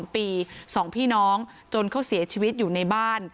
๓ปี๒พี่น้องจนเขาเสียชีวิตอยู่ในบ้าน